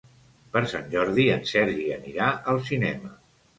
Per Sant Jordi en Sergi anirà al cinema.